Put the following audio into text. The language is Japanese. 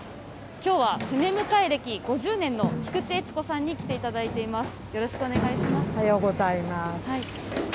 きょうは船迎え歴５０年の菊地悦子さんに来ていただいています。